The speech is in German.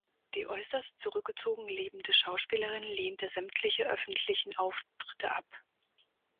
Die äußerst zurückgezogen lebende Schauspielerin lehnte sämtliche öffentlichen Auftritte ab.